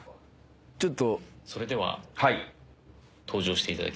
「それでは登場していただきます」